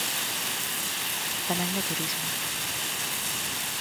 Tamén no turismo.